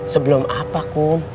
sebelum apa kum